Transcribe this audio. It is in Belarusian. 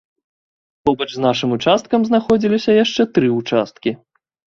Побач з нашым участкам знаходзіліся яшчэ тры ўчасткі.